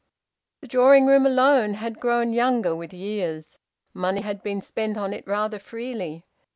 The drawing room alone had grown younger with years. Money had been spent on it rather freely.